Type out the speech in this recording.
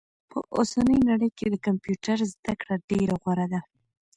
په اوسني نړئ کي د کمپيوټر زده کړه ډيره غوره ده